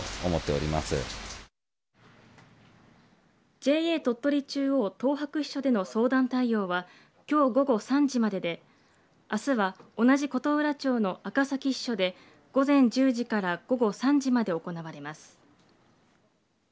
ＪＡ鳥取中央東伯支所での相談対応はきょう午後３時までであすは同じ琴浦町の赤碕支所で午前１０時から午後３時まで行われます。